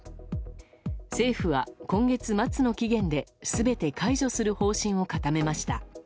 政府は、今月末の期限で全て解除する方針を固めました。